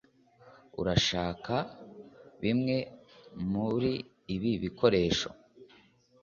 Urashaka bimwe muri ibi bikoresho